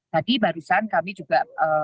tadi barusan kami juga